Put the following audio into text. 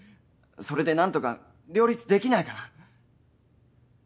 それで何とか両立できないかな？